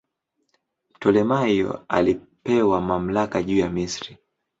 Ptolemaio alipewa mamlaka juu ya Misri.